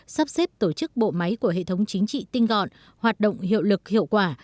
sắp xếp tổ chức bộ máy của hệ thống chính trị tinh gọn hoạt động hiệu lực hiệu quả